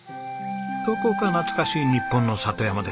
どこか懐かしい日本の里山です。